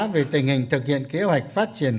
về tình hình thực hiện kế hoạch phát triển